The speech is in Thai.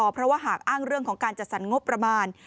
เพราะว่าหากอ้างเรื่องของการจัดสรรงบประมาณ